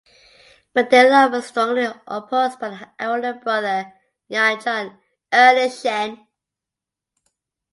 But their love was strongly opposed by her elder brother Yang Jian (Erlang Shen).